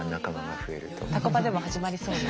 タコパでも始まりそうな。